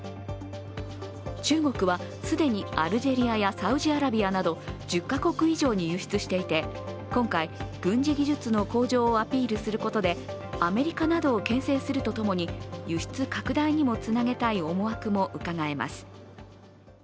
中国は既にアルジェリアやサウジアラビアなど１０か国以上に輸出していて今回、軍事技術の向上をアピールすることでアメリカなどをけん制するとともに輸出拡大にもつなげたい思惑もうかがえます。